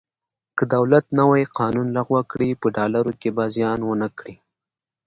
که دولت نوی قانون لغوه کړي په ډالرو کې به زیان ونه کړي.